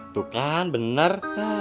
tuh kan bener